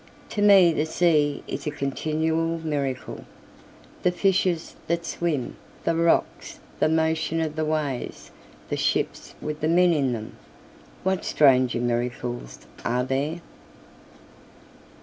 To me the sea is a continual miracle, The fishes that swim the rocks the motion of the waves the ships with the men in them, What stranger miracles are there?